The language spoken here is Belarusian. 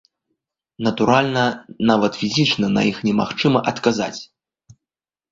Натуральна, нават фізічна на іх немагчыма адказаць.